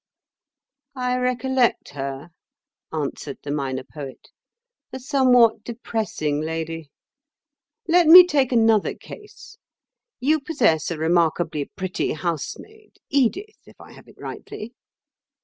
'" "I recollect her," answered the Minor Poet, "a somewhat depressing lady. Let me take another case. You possess a remarkably pretty housemaid—Edith, if I have it rightly."